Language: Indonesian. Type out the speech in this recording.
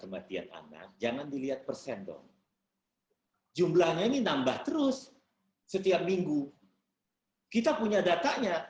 kematian anak jangan dilihat persen dong jumlahnya ini nambah terus setiap minggu kita punya datanya